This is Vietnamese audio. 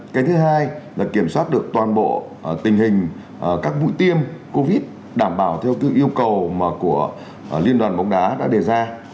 cái thứ hai là kiểm soát được toàn bộ tình hình các mũi tiêm covid đảm bảo theo yêu cầu mà của liên đoàn bóng đá đã đề ra